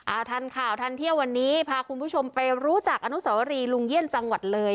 ทันข่าวทันเที่ยววันนี้พาคุณผู้ชมไปรู้จักอนุสวรีลุงเยี่ยนจังหวัดเลย